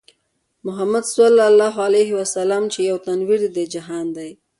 محمدص چې يو تنوير د دې جهان دی